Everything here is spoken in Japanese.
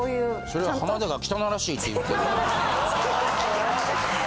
それは浜田が汚らしいって言ってる。